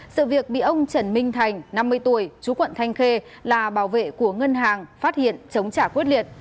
sự việc bị ông trần minh thành năm mươi tuổi chú quận thanh khê là bảo vệ của ngân hàng phát hiện chống trả quyết liệt